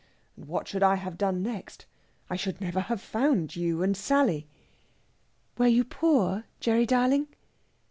And what should I have done next? I should never have found you and Sally...." "Were you poor, Gerry darling?"